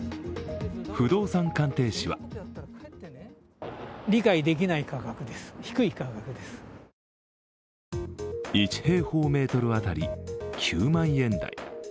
不動産鑑定士は１平方メートル当たり９万円台。